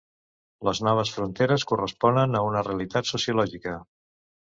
Les noves fronteres corresponen a una realitat sociològica.